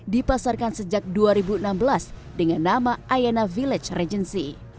dipasarkan sejak dua ribu enam belas dengan nama ayana village regency